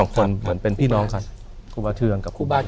ครูบาต้ือง